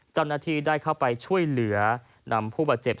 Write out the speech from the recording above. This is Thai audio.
เจ้าหน้าที่ได้เข้าไปช่วยเหลือนำผู้บาดเจ็บ